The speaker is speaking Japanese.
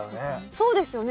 そうですよね。